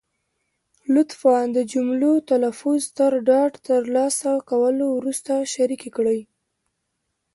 لطفا د جملو تلفظ تر ډاډ تر لاسه کولو وروسته شریکې کړئ.